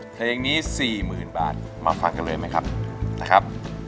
เพลงนี้๔๐๐๐บาทมาฟังกันเลยไหมครับนะครับ